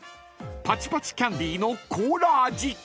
［パチパチキャンディのコーラ味］